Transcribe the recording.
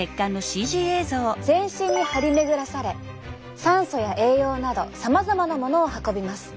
全身に張り巡らされ酸素や栄養などさまざまなものを運びます。